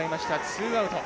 ツーアウト。